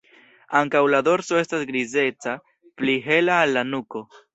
Ankaŭ la dorso estas grizeca, pli hela al la nuko.